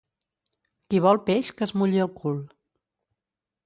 Qui vol peix que es mulli el cul.